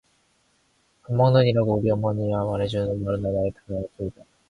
밥 먹는 이라고 우리 어머니와 일해 주는 마루라와 나와 나의 다섯 살 먹은 아우뿐이다.